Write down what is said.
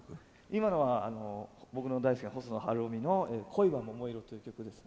今のは僕の大好きな細野晴臣の「恋は桃色」という曲です。